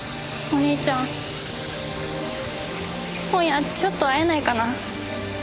お兄ちゃん今夜ちょっと会えないかな？